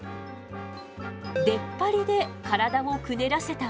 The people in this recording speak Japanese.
出っ張りで体をくねらせたわ。